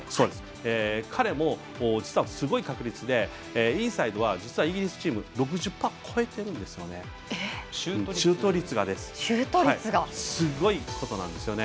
彼も、実はすごい確率でインサイドは、実はイギリスチーム６０％超えてるんですよね。